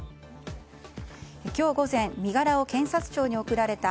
今日午前身柄を検察庁に送られた